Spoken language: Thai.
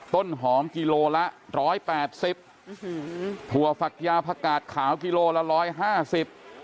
ต้นหอมกิโลละร้อยแปดสิบอื้อหือถั่วฝักยาผักกาดขาวกิโลละร้อยห้าสิบ